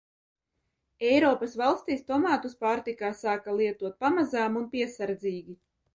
Eiropas valstīs tomātus pārtikā sāka lietot pamazām un piesardzīgi.